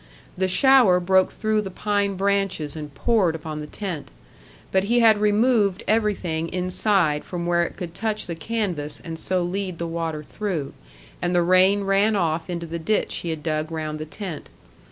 The shower broke through the pine branches and poured upon the tent. But he had removed everything inside from where it could touch the canvas and so lead the water through, and the rain ran off into the ditch he had dug round the tent.